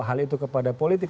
hal itu kepada politik